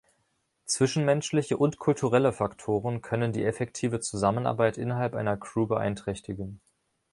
Zwischenmenschliche und kulturelle Faktoren können die effektive Zusammenarbeit innerhalb einer Crew beeinträchtigen.